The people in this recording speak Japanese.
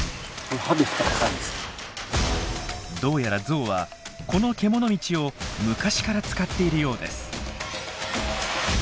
どうやらゾウはこのけもの道を昔から使っているようです。